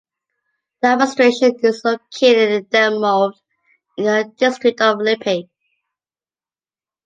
The administration is located in Detmold in the district of Lippe.